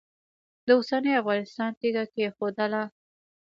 د اوسني افغانستان تیږه کښېښودله.